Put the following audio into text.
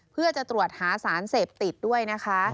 เพื่อจะตรวจหาสารเสพติดด้วยนะคะ